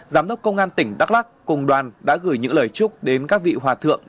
giám đốc công an tỉnh đắk lắc cùng đoàn đã gửi những lời chúc đến các vị hòa thượng